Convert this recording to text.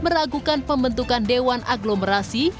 meragukan pembentukan dewan aglomerasi